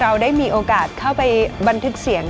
เราได้มีโอกาสเข้าไปบันทึกเสียง